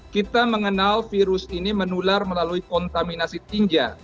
kita mengenal virus ini menular melalui kontaminasi tinggi